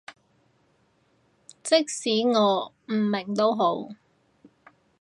即使我唔明都好